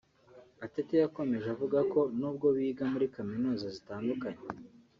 Atete yakomeje avuga ko n’ubwo biga muri kaminuza zitandukanye